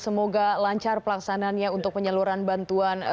semoga lancar pelaksananya untuk penyaluran bantuan